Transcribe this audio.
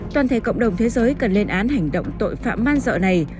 toàn thể cộng đồng thế giới cần lên án hành động tội phạm man dợ này